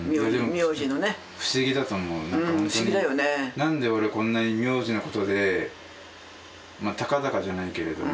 何で俺こんなに名字のことでまあたかだかじゃないけれども。